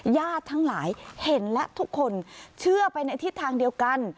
ทั้งหลายเห็นและทุกคนเชื่อไปในทิศทางเดียวกัน